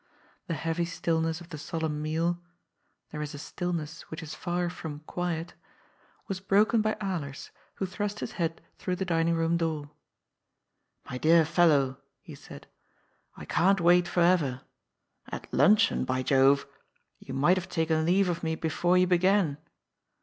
The heavy stillness of the solemn meal — ^there is a still ness which is far from quiet — ^was broken by Alers, who thrust his head through the dining room door. ^' My dear fellow," he said, " I can't wait for ever. At luncheon, by Jove I You might have taken leave of me before you be gan.